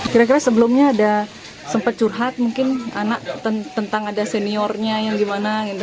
kira kira sebelumnya ada sempat curhat mungkin anak tentang ada seniornya yang gimana